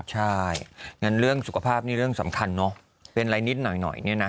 ใช่งั้นเรื่องสุขภาพนี่เรื่องสำคัญเนอะเป็นอะไรนิดหน่อยเนี่ยนะ